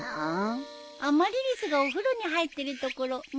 アマリリスがお風呂に入ってるところ見てみたいな。